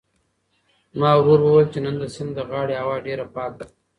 زما ورور وویل چې نن د سیند د غاړې هوا ډېره پاکه ده.